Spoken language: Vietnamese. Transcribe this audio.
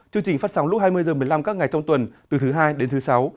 chương trình phát sóng lúc hai mươi h một mươi năm các ngày trong tuần từ thứ hai đến thứ sáu